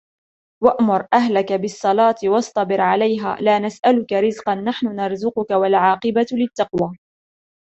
وأمر أهلك بالصلاة واصطبر عليها لا نسألك رزقا نحن نرزقك والعاقبة للتقوى